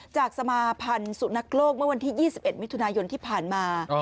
สมาพันธ์สุนัขโลกเมื่อวันที่๒๑มิถุนายนที่ผ่านมา